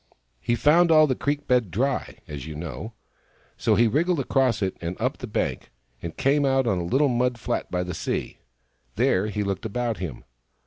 He found all the creek bed dry, as you know ; so he wriggled across it and up the bank, and came out on a little mud flat by the sea. There he looked about him.